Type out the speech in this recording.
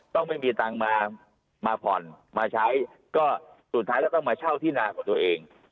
ต้องไม่มีตังค์มาผ่อนมาใช้ก็สุดท้ายแล้วต้องมาเช่าที่นาของตัวเอง